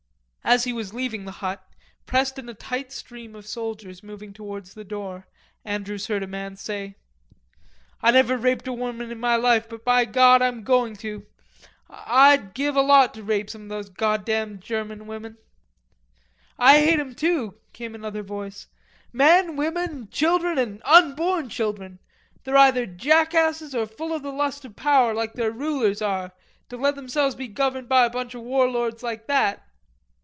As he was leaving the hut, pressed in a tight stream of soldiers moving towards the door, Andrews heard a man say: "I never raped a woman in my life, but by God, I'm going to. I'd give a lot to rape some of those goddam German women." "I hate 'em too," came another voice, "men, women, children and unborn children. They're either jackasses or full of the lust for power like their rulers are, to let themselves be governed by a bunch of warlords like that."